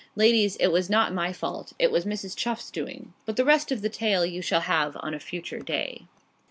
Ladies, it was not my fault it was Mrs. Chuff's doing but the rest of the tale you shall have on a future day.